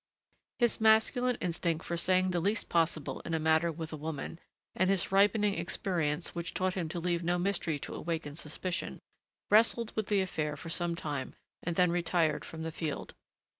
His masculine instinct for saying the least possible in a matter with a woman, and his ripening experience which taught him to leave no mystery to awaken suspicion, wrestled with the affair for some time and then retired from the field.